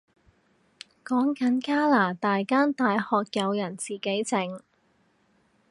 講緊加拿大間大學有人自己整